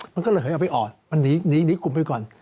มันก็ระเผินออกไปออกมันหนีกลุ่มไปก่อน